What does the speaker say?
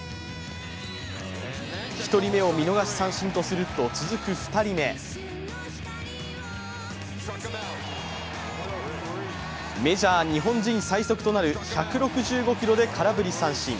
１人目を見逃し三振とすると、続く２人目メジャー日本人最速となる１６５キロで空振り三振。